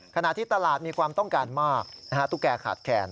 ขณะที่ตลาดมีความต้องการมากตุ๊กแก่ขาดแคน